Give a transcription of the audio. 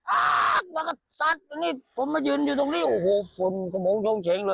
อ๊ากมันก็สัดผมมายืนอยู่ตรงนี้โอ้โหฝุ่นกระโมงโชงเฉงเลย